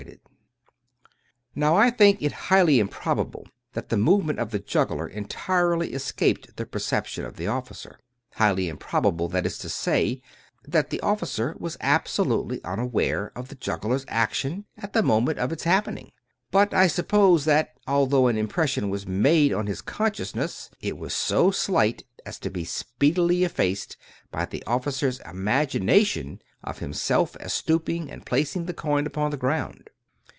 385 6. 28s True Stories of Modern Magic " Now I think it highly improbable that the movement of the juggler entirely escaped the perception of the officer; highly improbable, that is to say, that the officer was abso lutely unaware of the juggler's action at the moment of its happening ; but I suppose that, although an impression was made on his consciousness, it was so slight as to be speedily effaced by the officer's imagination of himself as stooping and placing the coin upon the ground.